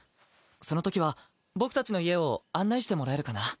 そのときは僕たちの家を案内してもらえるかな？